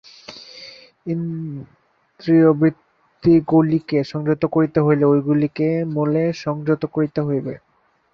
ইন্দ্রিয়বৃত্তিগুলিকে সংযত করিতে হইলে ঐগুলিকে মূলে সংযত করিতে হইবে।